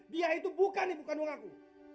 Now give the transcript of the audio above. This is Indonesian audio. dia itu bukan ibu kandung aku